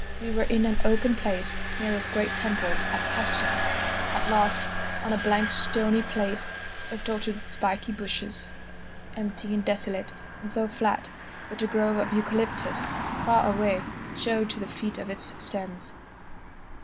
. We were in an open place near those great temples at Paestum, at last, on a blank stony place dotted with spiky bushes, empty and desolate and so flat that a grove of eucalyptus far away showed to the feet of its stems.